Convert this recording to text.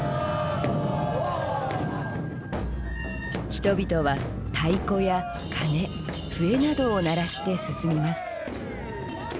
人々は太鼓や鐘笛などを鳴らして進みます。